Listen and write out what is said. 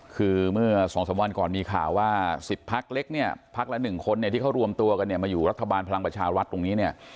คือเมื่อ๒๓วันก่อนมีข่าวว่า๑๐พักเล็กเนี่ยพักละ๑คนเนี่ยที่เขารวมตัวกันเนี่ยมาอยู่รัฐบาลพลังประชารัฐตรงนี้เนี่ย